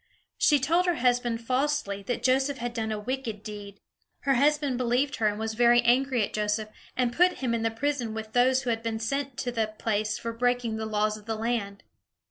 She told her husband falsely, that Joseph had done a wicked deed. Her husband believed her, and was very angry at Joseph, and put him in the prison with those who had been sent to that place for breaking the laws of the land.